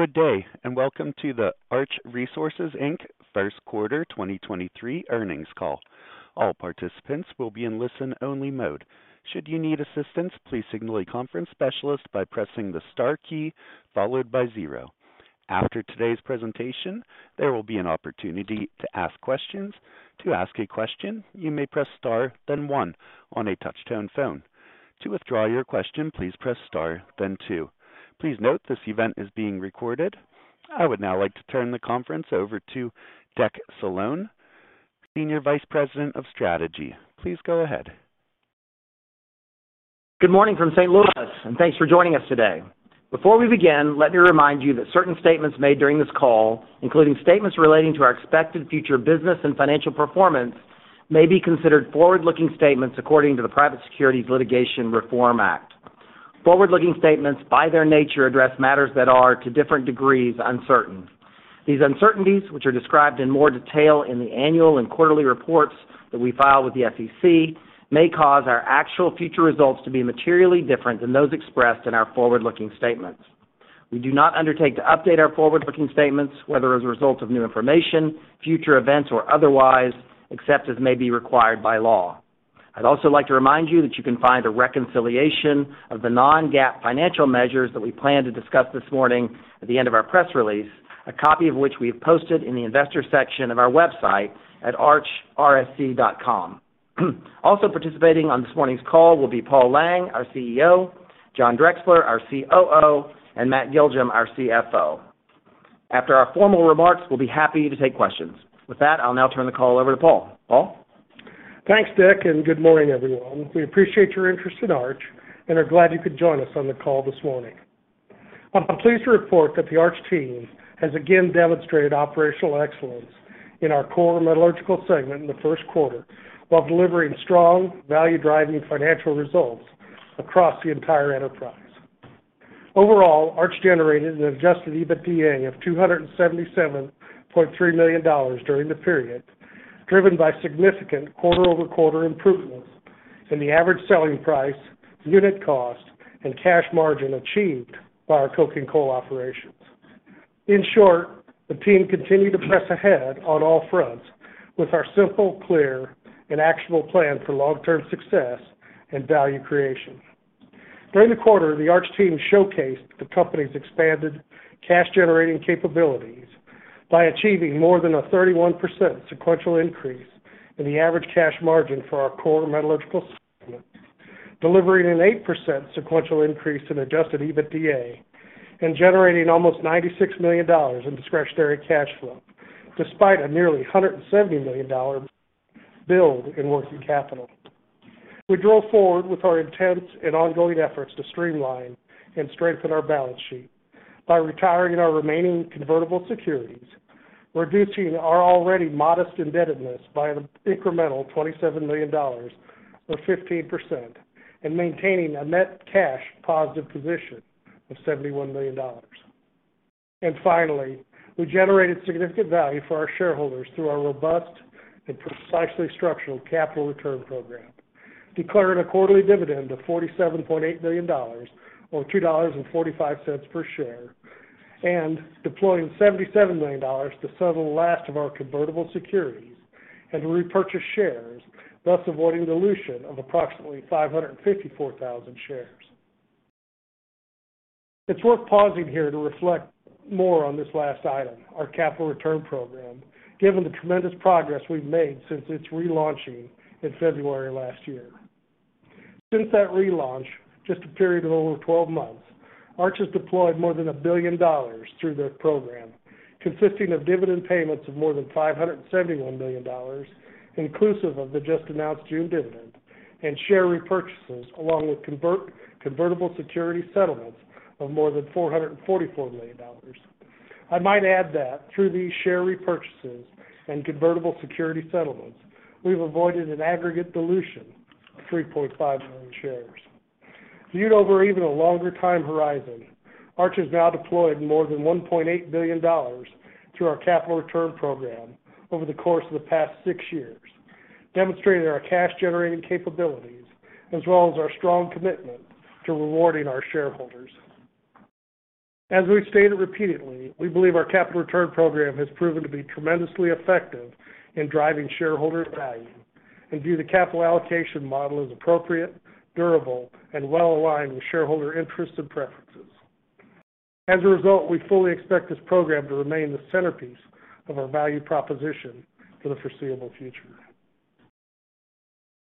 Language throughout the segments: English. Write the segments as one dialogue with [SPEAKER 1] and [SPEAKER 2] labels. [SPEAKER 1] Good day, and welcome to the Arch Resources Inc First Quarter 2023 Earnings Call. All participants will be in listen-only mode. Should you need assistance, please signal a conference specialist by pressing the star key followed by zero. After today's presentation, there will be an opportunity to ask questions. To ask a question, you may press star, then one on a touch-tone phone. To withdraw your question, please press star, then two. Please note this event is being recorded. I would now like to turn the conference over to Deck Slone, Senior Vice President of Strategy. Please go ahead.
[SPEAKER 2] Good morning from St. Louis, and thanks for joining us today. Before we begin, let me remind you that certain statements made during this call, including statements relating to our expected future business and financial performance, may be considered forward-looking statements according to the Private Securities Litigation Reform Act. Forward-looking statements by their nature address matters that are to different degrees uncertain. These uncertainties, which are described in more detail in the annual and quarterly reports that we file with the SEC, may cause our actual future results to be materially different than those expressed in our forward-looking statements. We do not undertake to update our forward-looking statements, whether as a result of new information, future events, or otherwise, except as may be required by law. I'd also like to remind you that you can find a reconciliation of the non-GAAP financial measures that we plan to discuss this morning at the end of our press release, a copy of which we have posted in the investor section of our website at archrsc.com. Participating on this morning's call will be Paul Lang, our CEO, John Drexler, our COO, and Matt Giljum, our CFO. After our formal remarks, we'll be happy to take questions. With that, I'll now turn the call over to Paul. Paul?
[SPEAKER 3] Thanks, Deck. Good morning, everyone. We appreciate your interest in Arch and are glad you could join us on the call this morning. I'm pleased to report that the Arch team has again demonstrated operational excellence in our core metallurgical segment in the first quarter while delivering strong value-driving financial results across the entire enterprise. Overall, Arch generated an adjusted EBITDA of $277.3 million during the period, driven by significant quarter-over-quarter improvements in the average selling price, unit cost, and cash margin achieved by our coking coal operations. In short, the team continued to press ahead on all fronts with our simple, clear, and actionable plan for long-term success and value creation. During the quarter, the Arch team showcased the company's expanded cash-generating capabilities by achieving more than a 31% sequential increase in the average cash margin for our core metallurgical segment, delivering an 8% sequential increase in adjusted EBITDA, and generating almost $96 million in discretionary cash flow despite a nearly $170 million build in working capital. We drove forward with our intense and ongoing efforts to streamline and strengthen our balance sheet by retiring our remaining convertible securities, reducing our already modest indebtedness by an incremental $27 million, or 15%, and maintaining a net cash positive position of $71 million. Finally, we generated significant value for our shareholders through our robust and precisely structured capital return program, declaring a quarterly dividend of $47.8 million, or $2.45 per share, and deploying $77 million to settle the last of our convertible securities and repurchase shares, thus avoiding dilution of approximately 554,000 shares. It's worth pausing here to reflect more on this last item, our capital return program, given the tremendous progress we've made since its relaunching in February of last year. Since that relaunch, just a period of over 12 months, Arch has deployed more than $1 billion through this program, consisting of dividend payments of more than $571 million, inclusive of the just-announced June dividend, and share repurchases along with convertible security settlements of more than $444 million. I might add that through these share repurchases and convertible security settlements, we've avoided an aggregate dilution of 3.5 million shares. Viewed over even a longer time horizon, Arch has now deployed more than $1.8 billion through our capital return program over the course of the past 6 years, demonstrating our cash-generating capabilities as well as our strong commitment to rewarding our shareholders. As we've stated repeatedly, we believe our capital return program has proven to be tremendously effective in driving shareholder value and view the capital allocation model as appropriate, durable, and well-aligned with shareholder interests and preferences. As a result, we fully expect this program to remain the centerpiece of our value proposition for the foreseeable future.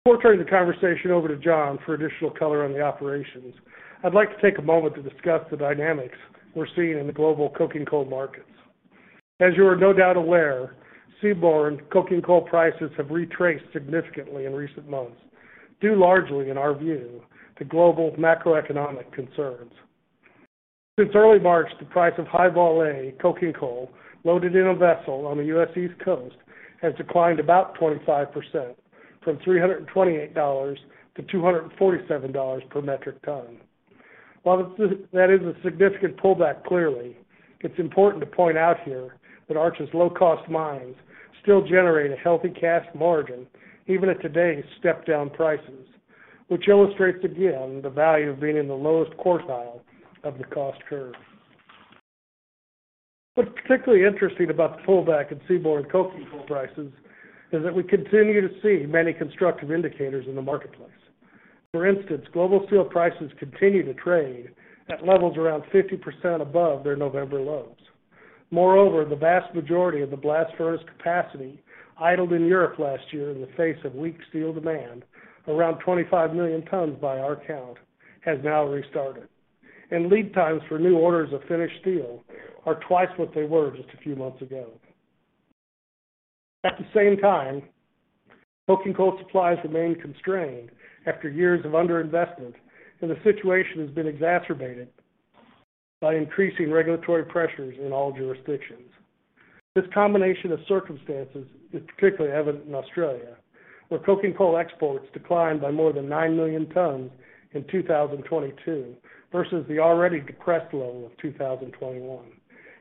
[SPEAKER 3] Before turning the conversation over to John for additional color on the operations, I'd like to take a moment to discuss the dynamics we're seeing in the global coking coal markets. As you are no doubt aware, seaborne coking coal prices have retraced significantly in recent months, due largely, in our view, to global macroeconomic concerns. Since early March, the price of High Vol A coking coal loaded in a vessel on the U.S. East Coast has declined about 25% from $328 to $247 per metric ton. While that is a significant pullback, clearly, it's important to point out here that Arch's low-cost mines still generate a healthy cash margin even at today's stepped-down prices. Which illustrates again the value of being in the lowest quartile of the cost curve. What's particularly interesting about the pullback in seaborne coking coal prices is that we continue to see many constructive indicators in the marketplace. For instance, global steel prices continue to trade at levels around 50% above their November lows. Moreover, the vast majority of the blast furnace capacity idled in Europe last year in the face of weak steel demand, around 25 million tons by our count, has now restarted. Lead times for new orders of finished steel are twice what they were just a few months ago. At the same time, coking coal supplies remain constrained after years of under-investment, and the situation has been exacerbated by increasing regulatory pressures in all jurisdictions. This combination of circumstances is particularly evident in Australia, where coking coal exports declined by more than 9 million tons in 2022 versus the already depressed level of 2021,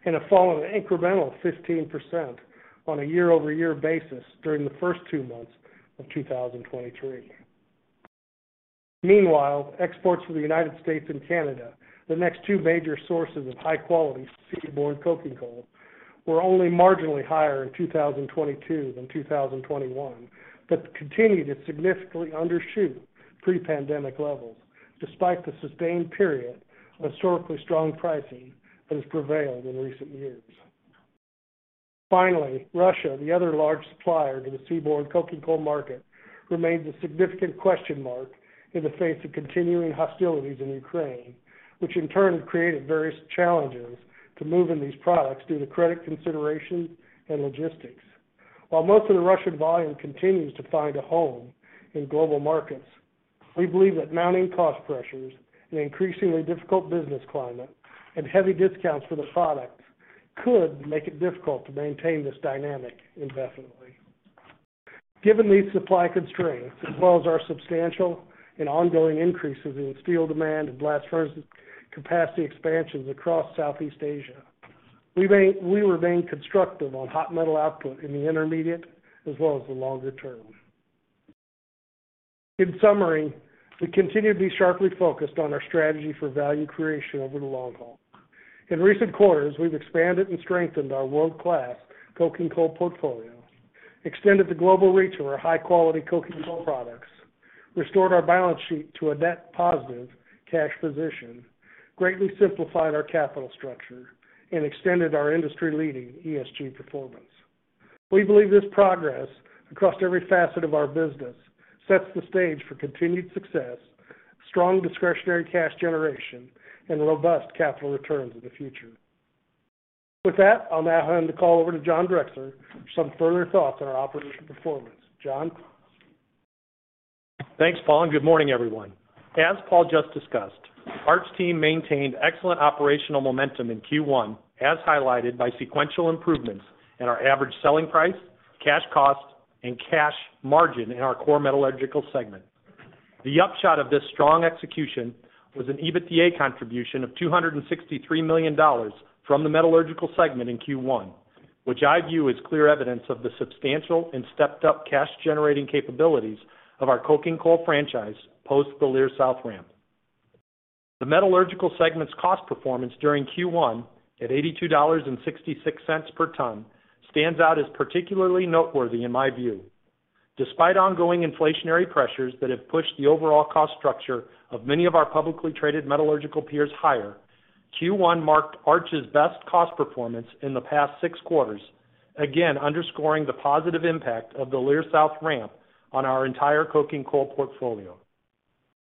[SPEAKER 3] and have fallen an incremental 15% on a year-over-year basis during the first two months of 2023. Exports from the United States and Canada, the next two major sources of high-quality seaborne coking coal, were only marginally higher in 2022 than 2021, but continue to significantly undershoot pre-pandemic levels despite the sustained period of historically strong pricing that has prevailed in recent years. Finally, Russia, the other large supplier to the seaborne coking coal market, remains a significant question mark in the face of continuing hostilities in Ukraine, which in turn have created various challenges to moving these products due to credit considerations and logistics. While most of the Russian volume continues to find a home in global markets, we believe that mounting cost pressures, an increasingly difficult business climate, and heavy discounts for the product could make it difficult to maintain this dynamic indefinitely. Given these supply constraints, as well as our substantial and ongoing increases in steel demand and blast furnace capacity expansions across Southeast Asia, we remain constructive on hot metal output in the intermediate as well as the longer term. In summary, we continue to be sharply focused on our strategy for value creation over the long haul. In recent quarters, we've expanded and strengthened our world-class coking coal portfolio, extended the global reach of our high-quality coking coal products, restored our balance sheet to a net positive cash position, greatly simplified our capital structure, and extended our industry-leading ESG performance. We believe this progress across every facet of our business sets the stage for continued success, strong discretionary cash generation, and robust capital returns in the future. With that, I'll now hand the call over to John Drexler for some further thoughts on our operational performance. John?
[SPEAKER 4] Thanks, Paul, good morning, everyone. As Paul just discussed, Arch's team maintained excellent operational momentum in Q1, as highlighted by sequential improvements in our average selling price, cash cost, and cash margin in our core metallurgical segment. The upshot of this strong execution was an EBITDA contribution of $263 million from the metallurgical segment in Q1, which I view as clear evidence of the substantial and stepped-up cash-generating capabilities of our coking coal franchise post the Leer South ramp. The metallurgical segment's cost performance during Q1, at $82.66 per ton, stands out as particularly noteworthy in my view. Despite ongoing inflationary pressures that have pushed the overall cost structure of many of our publicly traded metallurgical peers higher, Q1 marked Arch's best cost performance in the past six quarters, again underscoring the positive impact of the Leer South ramp on our entire coking coal portfolio.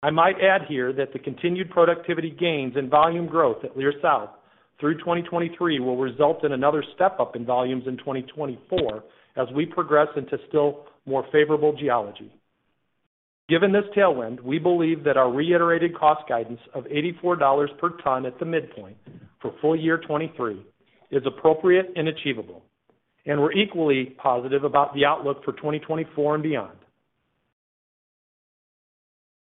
[SPEAKER 4] I might add here that the continued productivity gains and volume growth at Leer South through 2023 will result in another step-up in volumes in 2024 as we progress into still more favorable geology. Given this tailwind, we believe that our reiterated cost guidance of $84 per ton at the midpoint for full year 2023 is appropriate and achievable, and we're equally positive about the outlook for 2024 and beyond.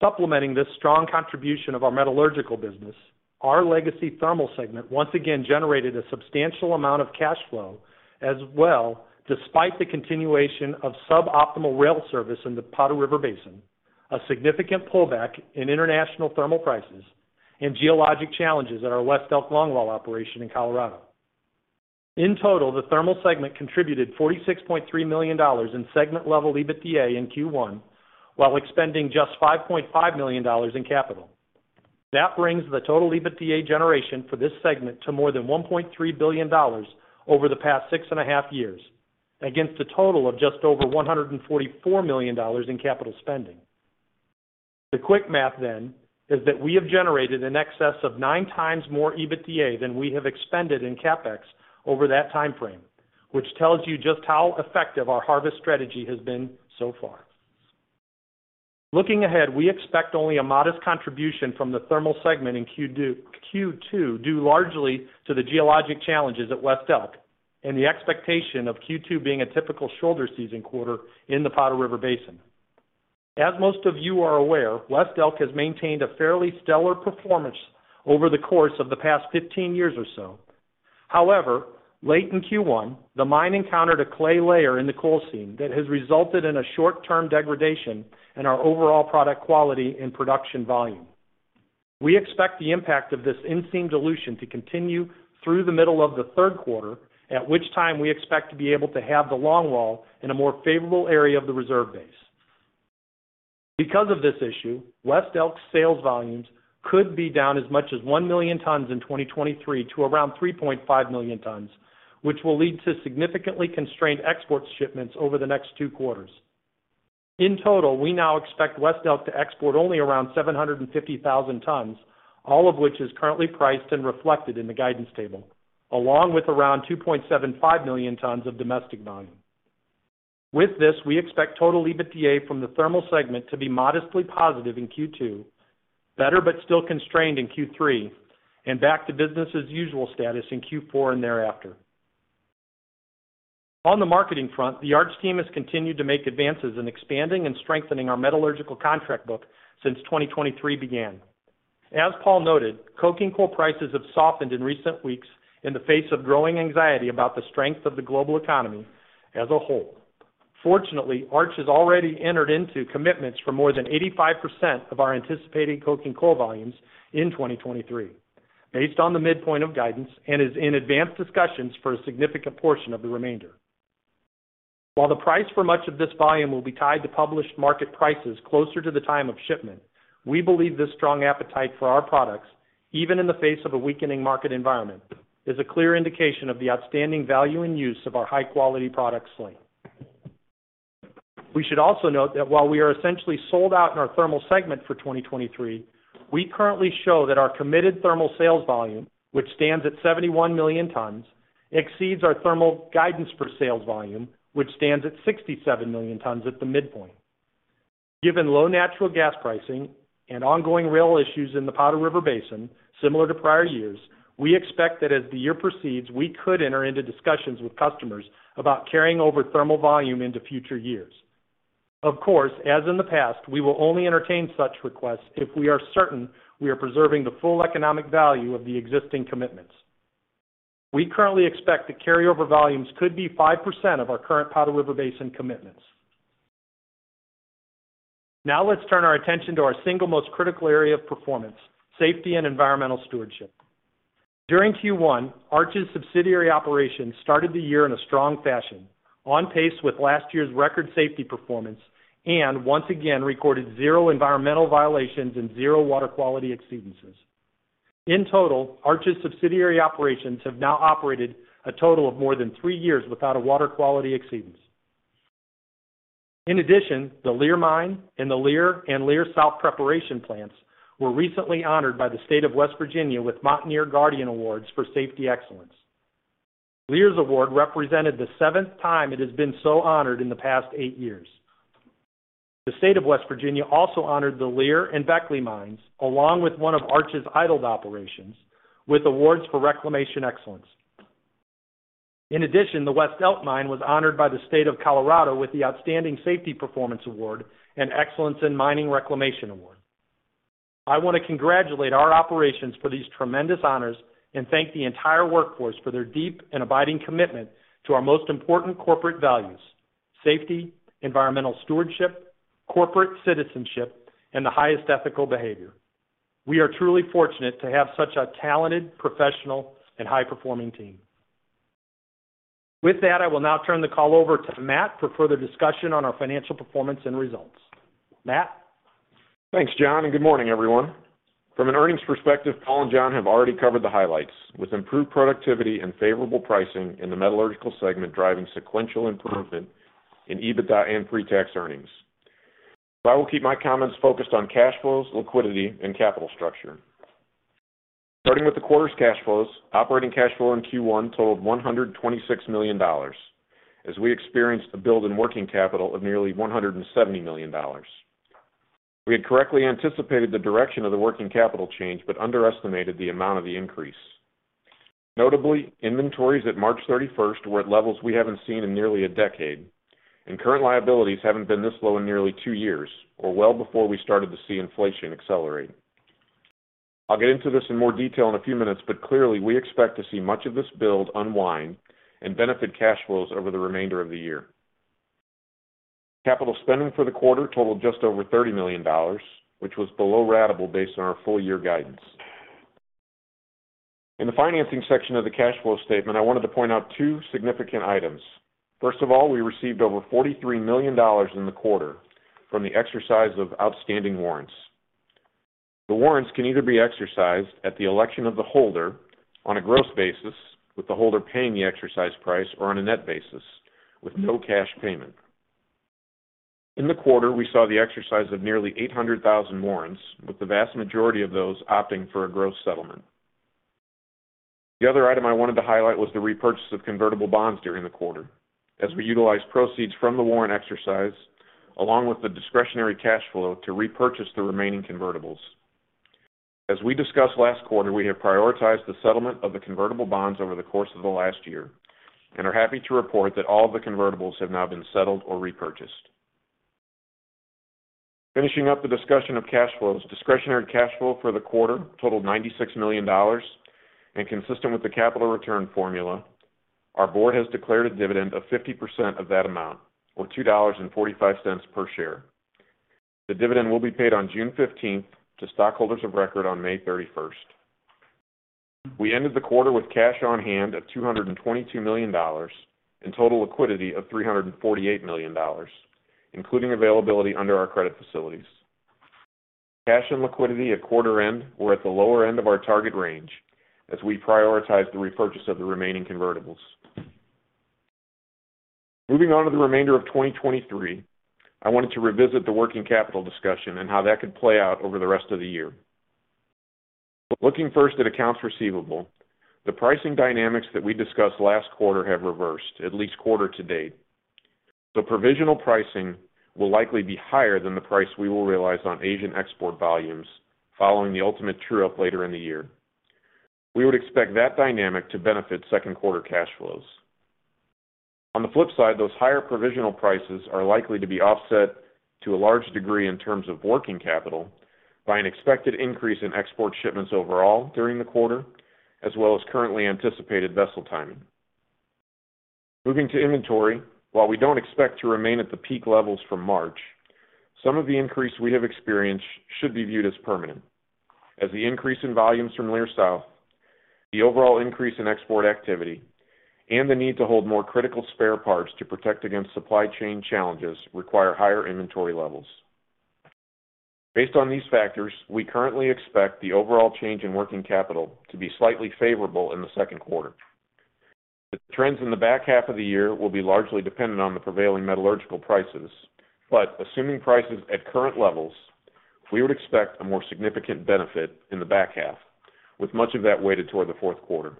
[SPEAKER 4] Supplementing this strong contribution of our metallurgical business, our legacy thermal segment once again generated a substantial amount of cash flow as well, despite the continuation of suboptimal rail service in the Powder River Basin, a significant pullback in international thermal prices, and geologic challenges at our West Elk longwall operation in Colorado. In total, the thermal segment contributed $46.3 million in segment-level EBITDA in Q1, while expending just $5.5 million in capital. That brings the total EBITDA generation for this segment to more than $1.3 billion over the past six and a half years, against a total of just over $144 million in capital spending. The quick math is that we have generated in excess of 9x more EBITDA than we have expended in CapEx over that timeframe, which tells you just how effective our harvest strategy has been so far. Looking ahead, we expect only a modest contribution from the thermal segment in Q2, due largely to the geologic challenges at West Elk and the expectation of Q2 being a typical shoulder-season quarter in the Powder River Basin. As most of you are aware, West Elk has maintained a fairly stellar performance over the course of the past 15 years or so. Late in Q1, the mine encountered a clay layer in the coal seam that has resulted in a short-term degradation in our overall product quality and production volume. We expect the impact of this in-seam dilution to continue through the middle of the third quarter, at which time we expect to be able to have the longwall in a more favorable area of the reserve base. Because of this issue, West Elk's sales volumes could be down as much as 1 million tons in 2023 to around 3.5 million tons, which will lead to significantly constrained export shipments over the next two quarters. In total, we now expect West Elk to export only around 750,000 tons, all of which is currently priced and reflected in the guidance table, along with around 2.75 million tons of domestic volume. With this, we expect total EBITDA from the thermal segment to be modestly positive in Q2, better but still constrained in Q3, and back to business as usual status in Q4 and thereafter. On the marketing front, the Arch team has continued to make advances in expanding and strengthening our metallurgical contract book since 2023 began. As Paul noted, coking coal prices have softened in recent weeks in the face of growing anxiety about the strength of the global economy as a whole. Fortunately, Arch has already entered into commitments for more than 85% of our anticipated coking coal volumes in 2023 based on the midpoint of guidance and is in advanced discussions for a significant portion of the remainder. While the price for much of this volume will be tied to published market prices closer to the time of shipment, we believe this strong appetite for our products, even in the face of a weakening market environment, is a clear indication of the outstanding value and use of our high-quality product slate. We should also note that while we are essentially sold out in our thermal segment for 2023, we currently show that our committed thermal sales volume, which stands at 71 million tons, exceeds our thermal guidance for sales volume, which stands at 67 million tons at the midpoint. Given low natural gas pricing and ongoing rail issues in the Powder River Basin similar to prior years, we expect that as the year proceeds, we could enter into discussions with customers about carrying over thermal volume into future years. Of course, as in the past, we will only entertain such requests if we are certain we are preserving the full economic value of the existing commitments. We currently expect the carryover volumes could be 5% of our current Powder River Basin commitments. Let's turn our attention to our single most critical area of performance, safety and environmental stewardship. During Q1, Arch's subsidiary operations started the year in a strong fashion, on pace with last year's record safety performance, and once again recorded 0 environmental violations and 0 water quality exceedances. In total, Arch's subsidiary operations have now operated a total of more than 3 years without a water quality exceedance. In addition, the Leer Mine and the Leer and Leer South preparation plants were recently honored by the state of West Virginia with Mountaineer Guardian Awards for safety excellence. Leer's award represented the seventh time it has been so honored in the past eight years. The state of West Virginia also honored the Leer and Beckley mines, along with one of Arch's idled operations, with awards for reclamation excellence. The West Elk mine was honored by the state of Colorado with the Outstanding Safety Performance Award and Excellence in Mining Reclamation Award. I wanna congratulate our operations for these tremendous honors and thank the entire workforce for their deep and abiding commitment to our most important corporate values, safety, environmental stewardship, corporate citizenship, and the highest ethical behavior. We are truly fortunate to have such a talented, professional, and high-performing team. With that, I will now turn the call over to Matt for further discussion on our financial performance and results. Matt?
[SPEAKER 5] Thanks, John. Good morning, everyone. From an earnings perspective, Paul and John have already covered the highlights with improved productivity and favorable pricing in the metallurgical segment, driving sequential improvement in EBITDA and pre-tax earnings. I will keep my comments focused on cash flows, liquidity, and capital structure. Starting with the quarter's cash flows, operating cash flow in Q1 totaled $126 million as we experienced a build in working capital of nearly $170 million. We had correctly anticipated the direction of the working capital change, but underestimated the amount of the increase. Notably, inventories at March 31st were at levels we haven't seen in nearly a decade, and current liabilities haven't been this low in nearly two years, or well before we started to see inflation accelerate. Clearly we expect to see much of this build unwind and benefit cash flows over the remainder of the year. Capital spending for the quarter totaled just over $30 million, which was below ratable based on our full year guidance. In the financing section of the cash flow statement, I wanted to point out two significant items. First of all, we received over $43 million in the quarter from the exercise of outstanding warrants. The warrants can either be exercised at the election of the holder on a gross basis, with the holder paying the exercise price, or on a net basis with no cash payment. In the quarter, we saw the exercise of nearly 800,000 warrants, with the vast majority of those opting for a gross settlement. The other item I wanted to highlight was the repurchase of convertible bonds during the quarter as we utilized proceeds from the warrant exercise along with the discretionary cash flow to repurchase the remaining convertibles. As we discussed last quarter, we have prioritized the settlement of the convertible bonds over the course of the last year and are happy to report that all the convertibles have now been settled or repurchased. Finishing up the discussion of cash flows. Discretionary cash flow for the quarter totaled $96 million, and consistent with the capital return formula, our board has declared a dividend of 50% of that amount, or $2.45 per share. The dividend will be paid on June 15th to stockholders of record on May 31st. We ended the quarter with cash on hand of $222 million and total liquidity of $348 million, including availability under our credit facilities. Cash and liquidity at quarter-end were at the lower end of our target range as we prioritized the repurchase of the remaining convertibles. Moving on to the remainder of 2023, I wanted to revisit the working capital discussion and how that could play out over the rest of the year. Looking first at accounts receivable, the pricing dynamics that we discussed last quarter have reversed at least quarter to date. The provisional pricing will likely be higher than the price we will realize on Asian export volumes following the ultimate true up later in the year. We would expect that dynamic to benefit second quarter cash flows. On the flip side, those higher provisional prices are likely to be offset to a large degree in terms of working capital by an expected increase in export shipments overall during the quarter, as well as currently anticipated vessel timing. Moving to inventory, while we don't expect to remain at the peak levels from March, some of the increase we have experienced should be viewed as permanent, as the increase in volumes from Leer South, the overall increase in export activity, and the need to hold more critical spare parts to protect against supply chain challenges require higher inventory levels. Based on these factors, we currently expect the overall change in working capital to be slightly favorable in the second quarter. The trends in the back half of the year will be largely dependent on the prevailing metallurgical prices. Assuming prices at current levels, we would expect a more significant benefit in the back half, with much of that weighted toward the fourth quarter.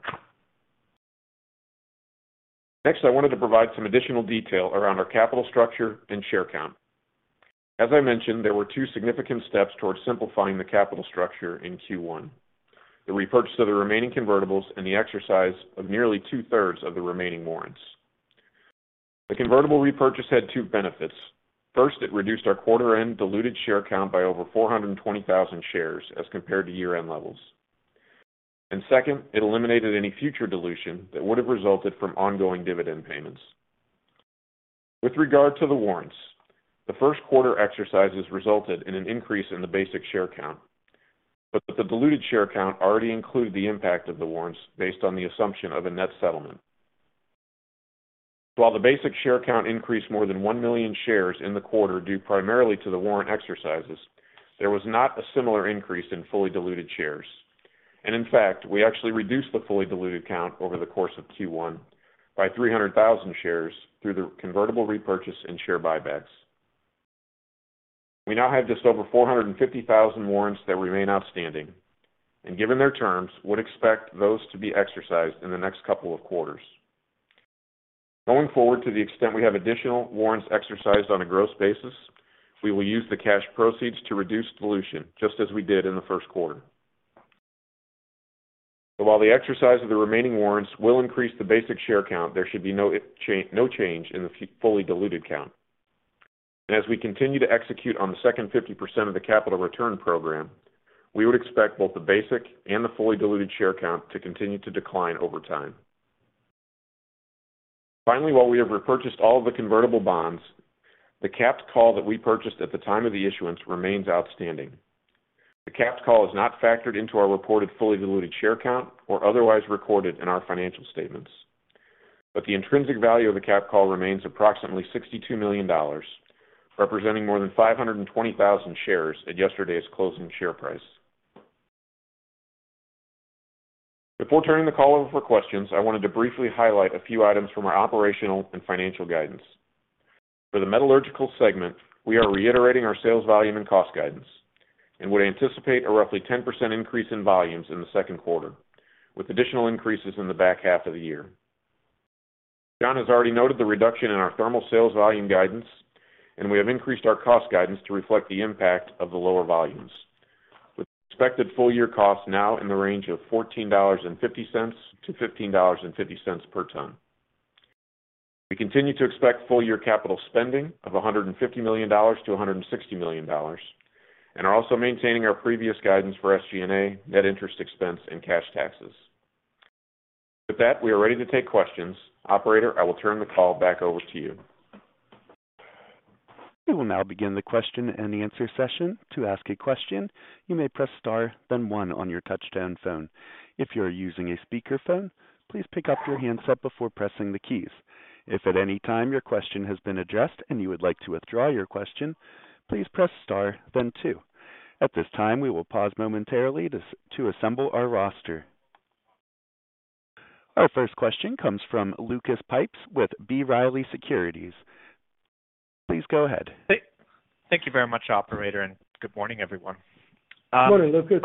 [SPEAKER 5] Next, I wanted to provide some additional detail around our capital structure and share count. As I mentioned, there were two significant steps towards simplifying the capital structure in Q1: the repurchase of the remaining convertibles and the exercise of nearly two-thirds of the remaining warrants. The convertible repurchase had two benefits. First, it reduced our quarter-end diluted share count by over 420,000 shares as compared to year-end levels. Second, it eliminated any future dilution that would have resulted from ongoing dividend payments. With regard to the warrants, the first quarter exercises resulted in an increase in the basic share count. The diluted share count already included the impact of the warrants based on the assumption of a net settlement. While the basic share count increased more than 1 million shares in the quarter due primarily to the warrant exercises, there was not a similar increase in fully diluted shares. In fact, we actually reduced the fully diluted count over the course of Q1 by 300,000 shares through the convertible repurchase and share buybacks. We now have just over 450,000 warrants that remain outstanding, and given their terms, would expect those to be exercised in the next couple of quarters. Going forward, to the extent we have additional warrants exercised on a gross basis, we will use the cash proceeds to reduce dilution just as we did in the first quarter. While the exercise of the remaining warrants will increase the basic share count, there should be no change in the fully diluted count. As we continue to execute on the second 50% of the capital return program, we would expect both the basic and the fully diluted share count to continue to decline over time. Finally, while we have repurchased all the convertible bonds, the capped call that we purchased at the time of the issuance remains outstanding. The capped call is not factored into our reported fully diluted share count or otherwise recorded in our financial statements. The intrinsic value of the capped call remains approximately $62 million, representing more than 520,000 shares at yesterday's closing share price. Before turning the call over for questions, I wanted to briefly highlight a few items from our operational and financial guidance. For the metallurgical segment, we are reiterating our sales volume and cost guidance and would anticipate a roughly 10% increase in volumes in the second quarter, with additional increases in the back half of the year. John has already noted the reduction in our thermal sales volume guidance. We have increased our cost guidance to reflect the impact of the lower volumes, with expected full year costs now in the range of $14.50-$15.50 per ton. We continue to expect full year capital spending of $150 million-$160 million and are also maintaining our previous guidance for SG&A, net interest expense and cash taxes. With that, we are ready to take questions. Operator, I will turn the call back over to you.
[SPEAKER 1] We will now begin the question-and-answer session. To ask a question, you may press star then one on your touch-tone phone. If you're using a speaker phone, please pick up your handset before pressing the keys. If at any time your question has been addressed and you would like to withdraw your question, please press star then two. At this time, we will pause momentarily to assemble our roster. Our first question comes from Lucas Pipes with B. Riley Securities. Please go ahead.
[SPEAKER 6] Thank you very much, operator, and good morning, everyone.
[SPEAKER 5] Good morning, Lucas.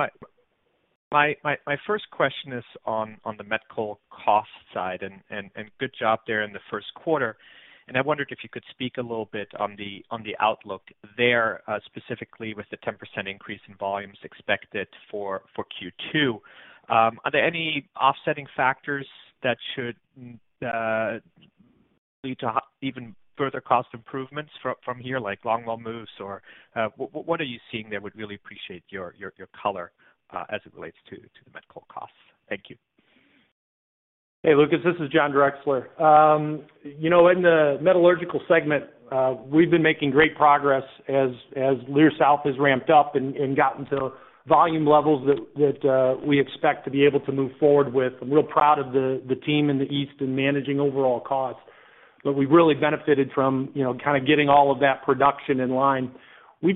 [SPEAKER 6] My first question is on the met coal cost side and good job there in the first quarter. I wondered if you could speak a little bit on the outlook there, specifically with the 10% increase in volumes expected for Q2. Are there any offsetting factors that should lead to even further cost improvements from here, like longwall moves or what are you seeing there? Would really appreciate your color as it relates to the met coal costs. Thank you.
[SPEAKER 4] Hey, Lucas, this is John Drexler. You know, in the metallurgical segment, we've been making great progress as Leer South has ramped up and gotten to volume levels that we expect to be able to move forward with. I'm real proud of the team in the east in managing overall costs. We really benefited from, you know, kind of getting all of that production in line. We've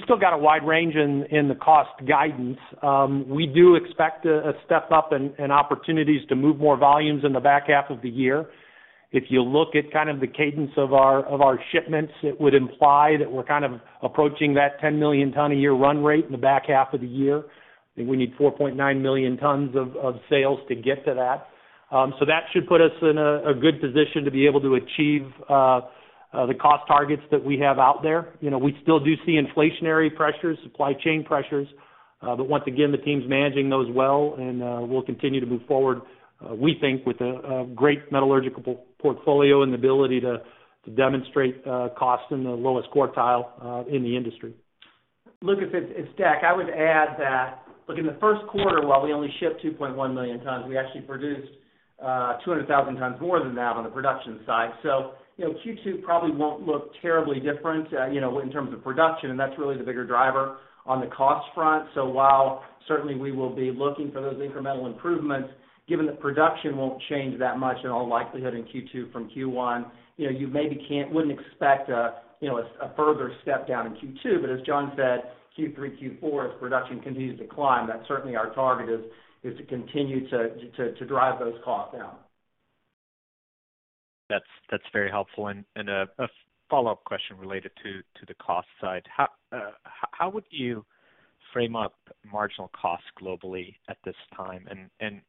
[SPEAKER 4] still got a wide range in the cost guidance. We do expect a step up and opportunities to move more volumes in the back half of the year. If you look at kind of the cadence of our shipments, it would imply that we're kind of approaching that 10 million tons a year run rate in the back half of the year. I think we need 4.9 million tons of sales to get to that. So that should put us in a good position to be able to achieve the cost targets that we have out there. You know, we still do see inflationary pressures, supply chain pressures, but once again, the team's managing those well, and we'll continue to move forward, we think, with a great metallurgical portfolio and ability to demonstrate costs in the lowest quartile in the industry.
[SPEAKER 2] Lucas, it's Deck. I would add that, look, in the first quarter, while we only shipped 2.1 million tons, we actually produced 200,000 tons more than that on the production side. You know, Q2 probably won't look terribly different, you know, in terms of production, and that's really the bigger driver on the cost front. While certainly we will be looking for those incremental improvements, given that production won't change that much in all likelihood in Q2 from Q1, you know, you maybe wouldn't expect a, you know, a further step down in Q2. As John said, Q3, Q4, as production continues to climb, that's certainly our target is to continue to drive those costs down.
[SPEAKER 6] That's very helpful. A follow-up question related to the cost side. How would you frame up marginal cost globally at this time?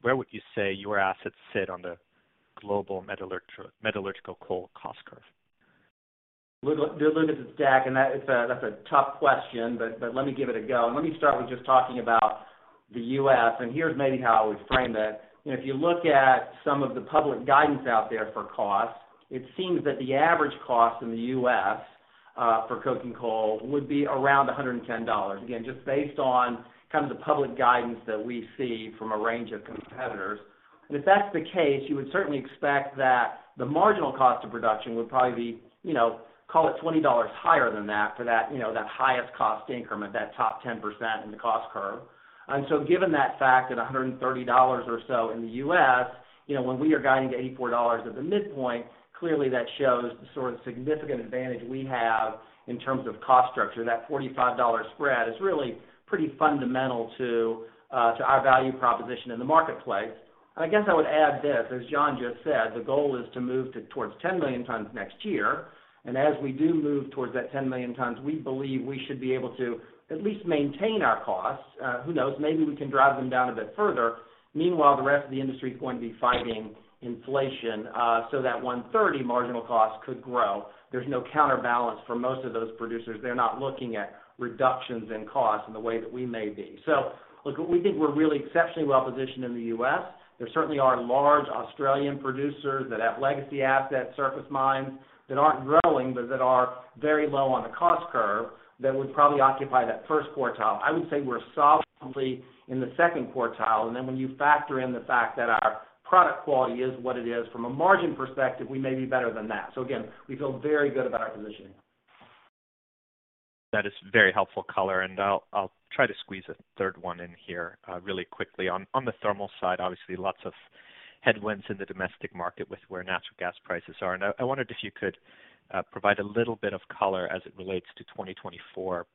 [SPEAKER 6] Where would you say your assets sit on the global metallurgical coal cost curve?
[SPEAKER 2] Lucas, it's Deck, that's a tough question, but let me give it a go. Let me start with just talking about the U.S., and here's maybe how I would frame it. You know, if you look at some of the public guidance out there for cost, it seems that the average cost in the U.S. for coking coal would be around $110. Again, just based on kind of the public guidance that we see from a range of competitors. If that's the case, you would certainly expect that the marginal cost of production would probably be, you know, call it $20 higher than that for that, you know, that highest cost increment, that top 10% in the cost curve. Given that fact, at $130 or so in the US, you know, when we are guiding to $84 at the midpoint, clearly that shows the sort of significant advantage we have in terms of cost structure. That $45 spread is really pretty fundamental to our value proposition in the marketplace. I guess I would add this, as John just said, the goal is to move towards 10 million tons next year. As we do move towards that 10 million tons, we believe we should be able to at least maintain our costs. Who knows? Maybe we can drive them down a bit further. Meanwhile, the rest of the industry is going to be fighting inflation, so that 130 marginal cost could grow. There's no counterbalance for most of those producers. They're not looking at reductions in costs in the way that we may be. Look, we think we're really exceptionally well-positioned in the U.S. There certainly are large Australian producers that have legacy assets, surface mines that aren't growing, but that are very low on the cost curve that would probably occupy that first quartile. I would say we're solidly in the second quartile, and then when you factor in the fact that our product quality is what it is from a margin perspective, we may be better than that. Again, we feel very good about our positioning.
[SPEAKER 6] That is very helpful color, and I'll try to squeeze a third one in here, really quickly. On the thermal side, obviously lots of headwinds in the domestic market with where natural gas prices are. I wondered if you could provide a little bit of color as it relates to 2024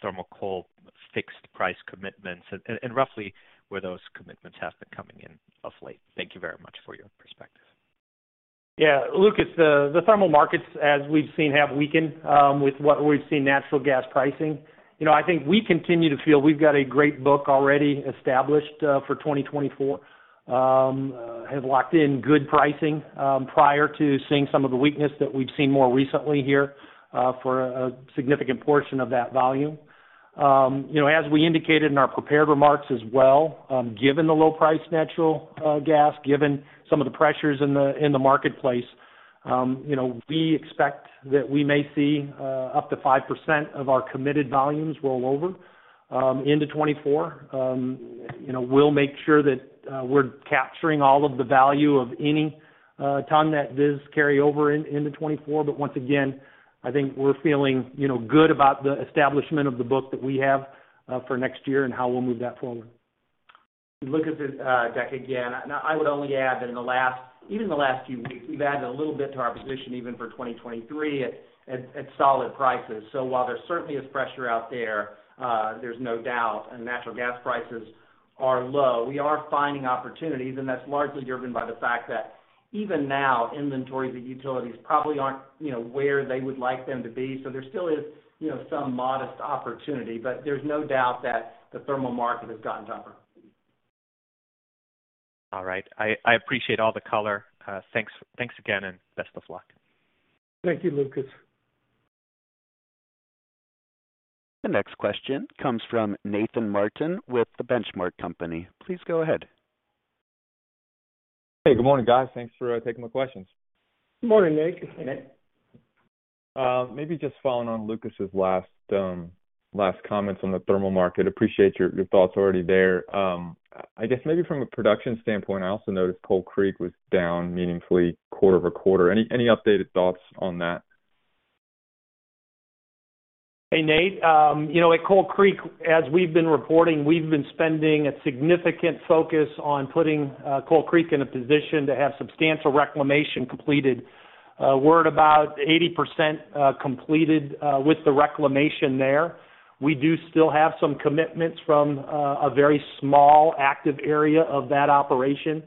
[SPEAKER 6] thermal coal fixed price commitments and roughly where those commitments have been coming in of late. Thank you very much for your perspective.
[SPEAKER 4] Yeah. Lucas, the thermal markets, as we've seen, have weakened, with what we've seen natural gas pricing. You know, I think we continue to feel we've got a great book already established for 2024. Have locked in good pricing prior to seeing some of the weakness that we've seen more recently here for a significant portion of that volume. You know, as we indicated in our prepared remarks as well, given the low priced natural gas, given some of the pressures in the marketplace, you know, we expect that we may see up to 5% of our committed volumes roll over into 2024. You know, we'll make sure that we're capturing all of the value of any ton that does carry over into 2024. Once again, I think we're feeling, you know, good about the establishment of the book that we have for next year and how we'll move that forward.
[SPEAKER 2] Lucas, it's Deck again. I would only add that in the last even the last few weeks, we've added a little bit to our position even for 2023 at solid prices. While there certainly is pressure out there's no doubt, and natural gas prices are low, we are finding opportunities, and that's largely driven by the fact that even now, inventories at utilities probably aren't, you know, where they would like them to be. There still is, you know, some modest opportunity, but there's no doubt that the thermal market has gotten tougher.
[SPEAKER 6] All right. I appreciate all the color. Thanks again, and best of luck.
[SPEAKER 4] Thank you, Lucas.
[SPEAKER 1] The next question comes from Nathan Martin with The Benchmark Company. Please go ahead.
[SPEAKER 7] Hey, good morning, guys. Thanks for taking my questions.
[SPEAKER 3] Good morning, Nate.
[SPEAKER 4] Hey, Nate.
[SPEAKER 7] Maybe just following on Lucas's last comments on the thermal market. Appreciate your thoughts already there. I guess maybe from a production standpoint, I also noticed Coal Creek was down meaningfully quarter-over-quarter. Any updated thoughts on that?
[SPEAKER 4] Hey, Nate. You know, at Coal Creek, as we've been reporting, we've been spending a significant focus on putting Coal Creek in a position to have substantial reclamation completed. We're at about 80% completed with the reclamation there. We do still have some commitments from a very small active area of that operation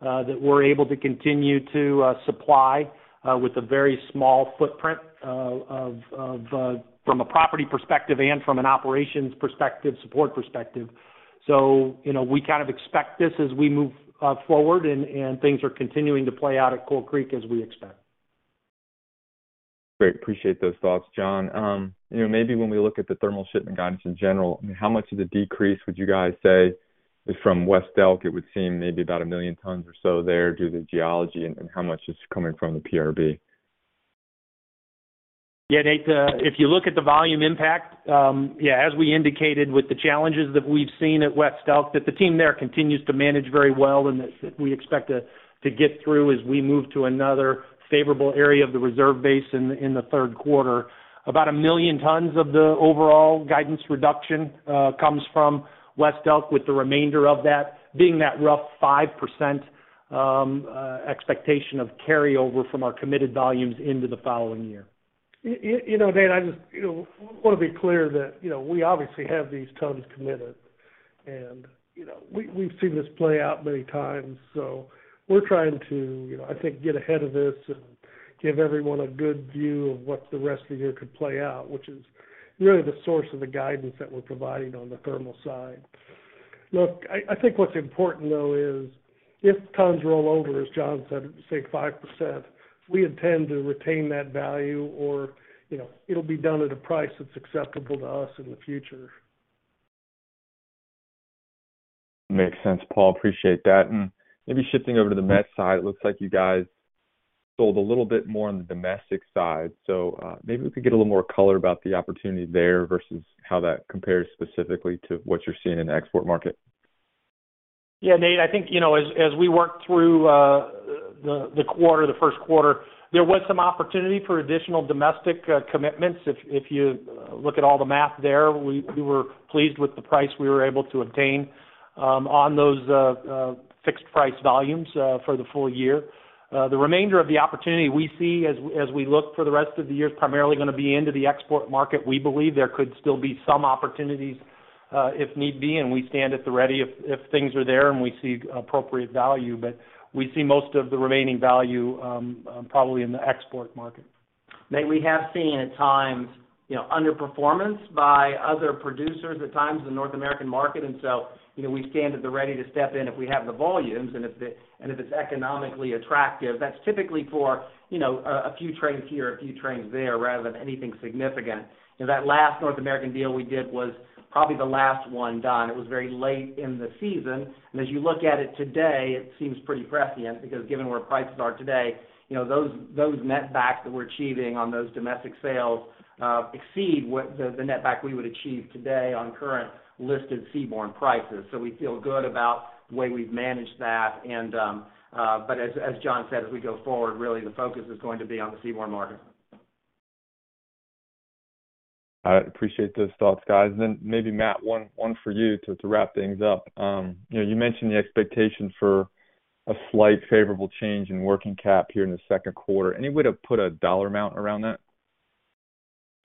[SPEAKER 4] that we're able to continue to supply with a very small footprint from a property perspective and from an operations perspective, support perspective. You know, we kind of expect this as we move forward and things are continuing to play out at Coal Creek as we expect.
[SPEAKER 7] Great. Appreciate those thoughts, John. You know, maybe when we look at the thermal shipment guidance in general, I mean, how much of the decrease would you guys say is from West Elk? It would seem maybe about 1 million tons or so there due to geology and how much is coming from the PRB?
[SPEAKER 4] Yeah, Nate, if you look at the volume impact, yeah, as we indicated with the challenges that we've seen at West Elk, that the team there continues to manage very well and that we expect to get through as we move to another favorable area of the reserve base in the third quarter. About 1 million tons of the overall guidance reduction comes from West Elk with the remainder of that being that rough 5% expectation of carryover from our committed volumes into the following year.
[SPEAKER 3] You know, Nate, I just, you know, wanna be clear that, you know, we obviously have these tons committed and, you know, we've seen this play out many times. We're trying to, you know, I think, get ahead of this and give everyone a good view of what the rest of the year could play out, which is really the source of the guidance that we're providing on the thermal side. Look, I think what's important though is if tons roll over, as John said, say 5%, we intend to retain that value or, you know, it'll be done at a price that's acceptable to us in the future.
[SPEAKER 7] Makes sense, Paul. Appreciate that. Maybe shifting over to the met side. Maybe we could get a little more color about the opportunity there versus how that compares specifically to what you're seeing in the export market.
[SPEAKER 4] Yeah, Nate, I think, you know, as we work through the quarter, the first quarter, there was some opportunity for additional domestic commitments. If you look at all the math there, we were pleased with the price we were able to obtain on those fixed price volumes for the full year. The remainder of the opportunity we see as we look for the rest of the year is primarily gonna be into the export market. We believe there could still be some opportunities, if need be, and we stand at the ready if things are there and we see appropriate value. We see most of the remaining value probably in the export market.
[SPEAKER 2] Nate, we have seen at times, you know, underperformance by other producers at times in the North American market. You know, we stand at the ready to step in if we have the volumes and if it's economically attractive. That's typically for, you know, a few trains here, a few trains there, rather than anything significant. You know, that last North American deal we did was probably the last one done. It was very late in the season. As you look at it today, it seems pretty prescient because given where prices are today, you know, those net backs that we're achieving on those domestic sales exceed what the net back we would achieve today on current listed seaborne prices. We feel good about the way we've managed that and as John said, as we go forward, really the focus is going to be on the seaborne market.
[SPEAKER 7] All right. Appreciate those thoughts, guys. Maybe Matt, one for you to wrap things up. You know, you mentioned the expectation for a slight favorable change in working cap here in the second quarter. Any way to put a dollar amount around that?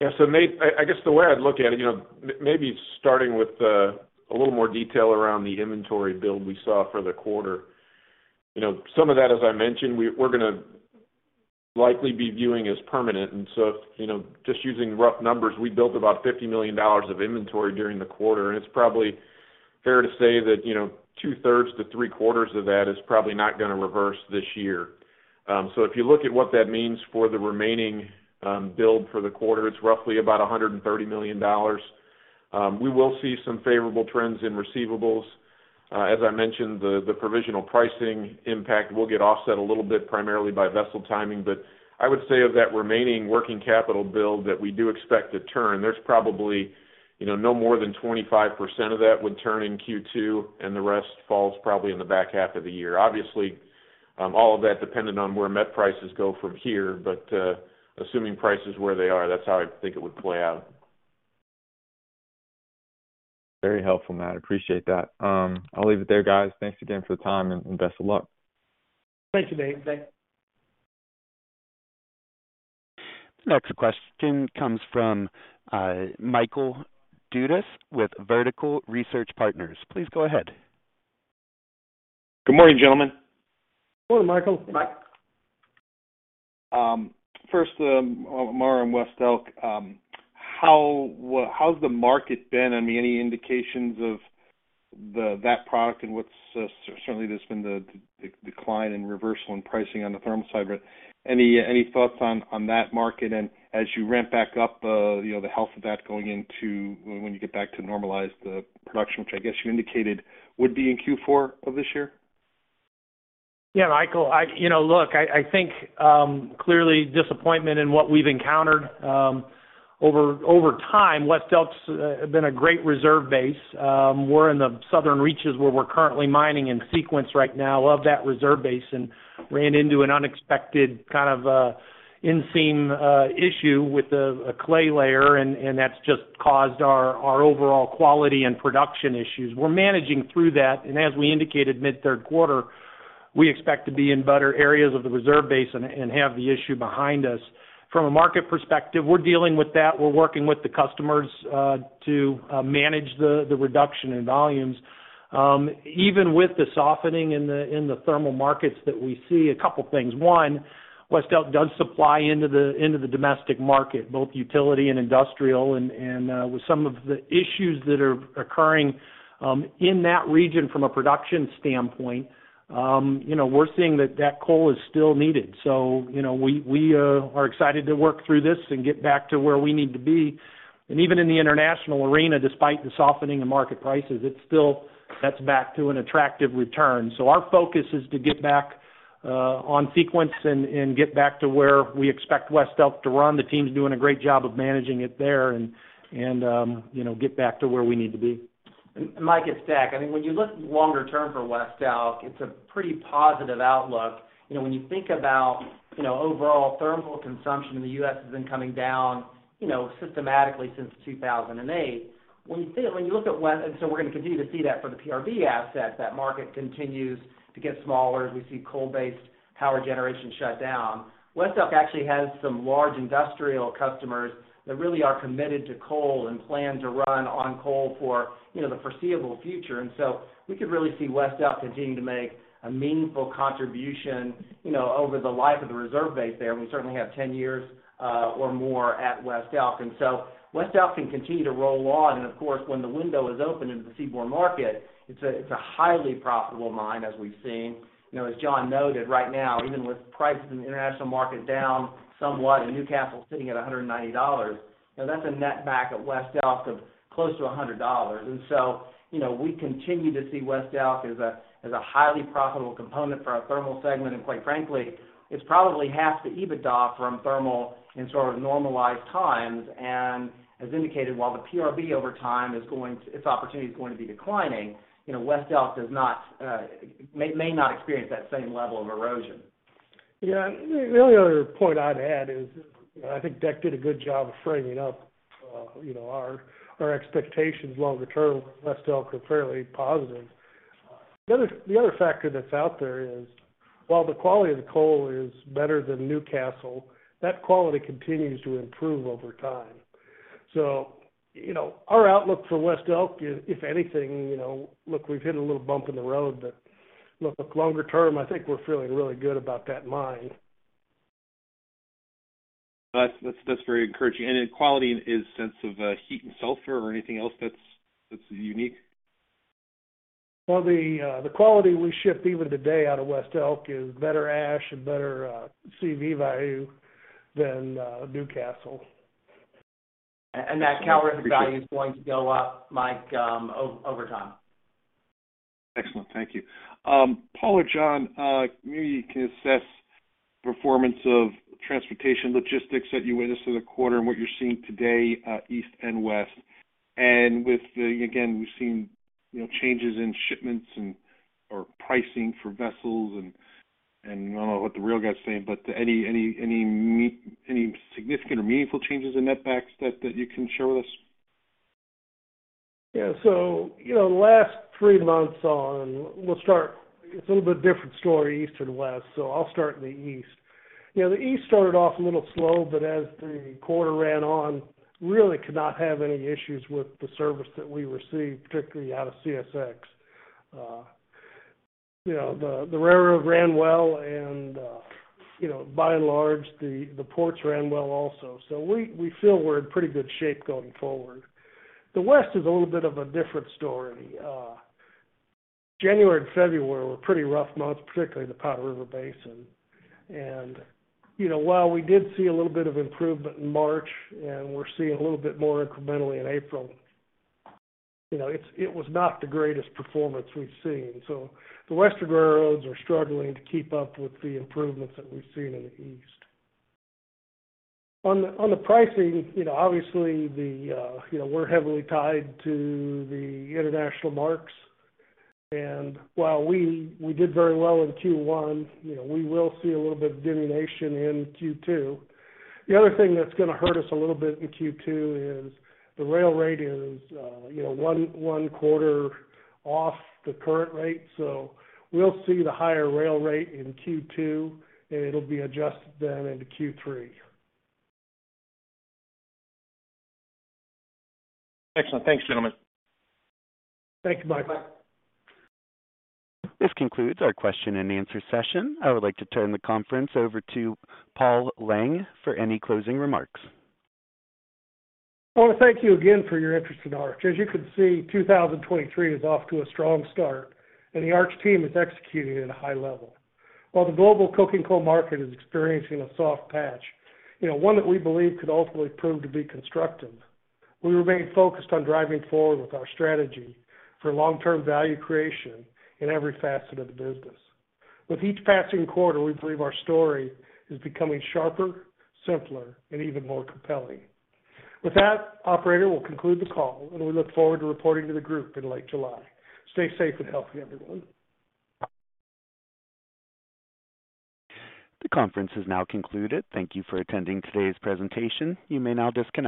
[SPEAKER 5] Yeah. Nate, I guess the way I'd look at it, you know, maybe starting with a little more detail around the inventory build we saw for the quarter. You know, some of that, as I mentioned, we're gonna likely be viewing as permanent. You know, just using rough numbers, we built about $50 million of inventory during the quarter, and it's probably fair to say that, you know, two-thirds to three-quarters of that is probably not gonna reverse this year. If you look at what that means for the remaining build for the quarter, it's roughly about $130 million. We will see some favorable trends in receivables. As I mentioned, the provisional pricing impact will get offset a little bit primarily by vessel timing. I would say of that remaining working capital build that we do expect to turn, there's probably, you know, no more than 25% of that would turn in Q2 and the rest falls probably in the back half of the year. Obviously, all of that dependent on where met prices go from here. Assuming price is where they are, that's how I think it would play out.
[SPEAKER 7] Very helpful, Matt. Appreciate that. I'll leave it there, guys. Thanks again for the time and best of luck.
[SPEAKER 3] Thank you, Nate.
[SPEAKER 4] Thanks.
[SPEAKER 1] This next question comes from, Michael Dudas with Vertical Research Partners. Please go ahead.
[SPEAKER 8] Good morning, gentlemen.
[SPEAKER 3] Morning, Michael.
[SPEAKER 4] Mike.
[SPEAKER 8] First, more on West Elk, how's the market been? I mean, any indications? That product and what's certainly that's been the decline in reversal in pricing on the thermal side. Any thoughts on that market? As you ramp back up, you know, the health of that going into when you get back to normalized production, which I guess you indicated would be in Q4 of this year.
[SPEAKER 4] Yeah, Michael, you know, look, I think, clearly disappointment in what we've encountered. Over time, West Elk's been a great reserve base. We're in the southern reaches where we're currently mining in sequence right now of that reserve base and ran into an unexpected kind of, in-seam, issue with a clay layer, and that's just caused our overall quality and production issues. We're managing through that. As we indicated mid-third quarter, we expect to be in better areas of the reserve base and have the issue behind us. From a market perspective, we're dealing with that. We're working with the customers to manage the reduction in volumes. Even with the softening in the thermal markets that we see, a couple things. One, West Elk does supply into the domestic market, both utility and industrial. With some of the issues that are occurring in that region from a production standpoint, you know, we're seeing that that coal is still needed. You know, we are excited to work through this and get back to where we need to be. Even in the international arena, despite the softening of market prices, it's still gets back to an attractive return. Our focus is to get back on sequence and get back to where we expect West Elk to run. The team's doing a great job of managing it there and, you know, get back to where we need to be.
[SPEAKER 2] Mike, it's Deck. I mean, when you look longer term for West Elk, it's a pretty positive outlook. You know, when you think about, you know, overall thermal consumption in the U.S. has been coming down, you know, systematically since 2008. We're gonna continue to see that for the PRB asset. That market continues to get smaller as we see coal-based power generation shut down. West Elk actually has some large industrial customers that really are committed to coal and plan to run on coal for, you know, the foreseeable future. We could really see West Elk continuing to make a meaningful contribution, you know, over the life of the reserve base there. We certainly have 10 years or more at West Elk. West Elk can continue to roll on. Of course, when the window is open into the seaborne market, it's a highly profitable mine as we've seen. You know, as John noted right now, even with prices in the international market down somewhat and Newcastle sitting at $190, you know, that's a net back at West Elk of close to $100. You know, we continue to see West Elk as a highly profitable component for our thermal segment. Quite frankly, it's probably half the EBITDA from thermal in sort of normalized times. As indicated, while the PRB over time is going to its opportunity is going to be declining, you know, West Elk does not may not experience that same level of erosion.
[SPEAKER 3] Yeah. The only other point I'd add is I think Deck did a good job of framing up, you know, our expectations longer term with West Elk are fairly positive. The other factor that's out there is, while the quality of the coal is better than Newcastle, that quality continues to improve over time. You know, our outlook for West Elk is, if anything, you know, look, we've hit a little bump in the road, but look, longer term, I think we're feeling really good about that mine.
[SPEAKER 8] That's very encouraging. Quality is sense of heat and sulfur or anything else that's unique?
[SPEAKER 3] Well, the quality we ship even today out of West Elk is better ash and better CV value than Newcastle.
[SPEAKER 2] That calorific value is going to go up, Mike, over time.
[SPEAKER 8] Excellent. Thank you. Paul or John, maybe you can assess performance of transportation logistics that you witnessed in the quarter and what you're seeing today, east and west. Again, we've seen, you know, changes in shipments or pricing for vessels and I don't know what the rail guys are saying, but any significant or meaningful changes in net backs that you can share with us?
[SPEAKER 3] Yeah. You know, last three months on, it's a little bit different story east and west. I'll start in the east. You know, the east started off a little slow, as the quarter ran on, really could not have any issues with the service that we received, particularly out of CSX. You know, the railroad ran well, you know, by and large, the ports ran well also. We feel we're in pretty good shape going forward. The west is a little bit of a different story. January and February were pretty rough months, particularly in the Powder River Basin. You know, while we did see a little bit of improvement in March, and we're seeing a little bit more incrementally in April, you know, it was not the greatest performance we've seen. The western railroads are struggling to keep up with the improvements that we've seen in the east. On the pricing, you know, obviously, you know, we're heavily tied to the international marks. While we did very well in Q1, you know, we will see a little bit of diminution in Q2. The other thing that's gonna hurt us a little bit in Q2 is the rail rate is, you know, 1 quarter off the current rate. We'll see the higher rail rate in Q2, and it'll be adjusted then into Q3.
[SPEAKER 8] Excellent. Thanks, gentlemen.
[SPEAKER 3] Thank you, Mike.
[SPEAKER 2] Bye.
[SPEAKER 1] This concludes our question and answer session. I would like to turn the conference over to Paul Lang for any closing remarks.
[SPEAKER 3] I wanna thank you again for your interest in Arch. As you can see, 2023 is off to a strong start, and the Arch team is executing at a high level. While the global coking coal market is experiencing a soft patch, you know, one that we believe could ultimately prove to be constructive, we remain focused on driving forward with our strategy for long-term value creation in every facet of the business. With each passing quarter, we believe our story is becoming sharper, simpler, and even more compelling. With that, operator, we'll conclude the call, and we look forward to reporting to the group in late July. Stay safe and healthy, everyone.
[SPEAKER 1] The conference is now concluded. Thank you for attending today's presentation. You may now disconnect.